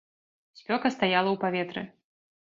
Спёка стаяла ў паветры.